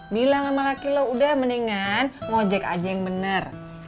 bilang sama laki lo udah mendingan ngajek aja yang bener